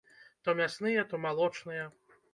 То мясныя, то малочныя.